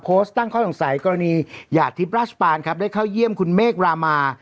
ตั้งข้อสงสัยกรณีหยาดทิพย์ราชปานครับได้เข้าเยี่ยมคุณเมฆรามา